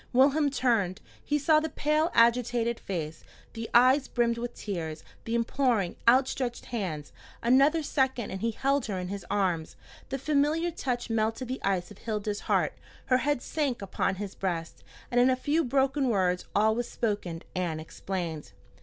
Wilhelm turned. He saw the pale, agitated face, the eyes brimmed with tears, the imploring, out stretched hands. Another second and he held her in his arms. The familiar touch melted the ice of Hilda's heart, her head sank upon his breast, and in a few broken words all was spoken and explained.